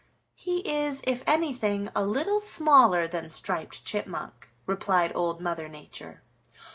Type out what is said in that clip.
"He is, if anything, a little smaller than Striped Chipmunk," replied Old Mother Nature.